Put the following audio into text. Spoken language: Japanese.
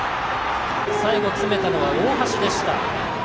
最後、詰めたのは大橋でした。